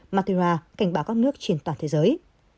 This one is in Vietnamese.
matua cảnh báo các nước trên toàn thế giới